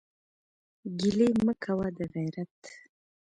ګلې مه کوه دغېرت.